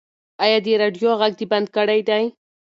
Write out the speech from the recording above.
ایا د راډیو غږ دې بند کړی دی؟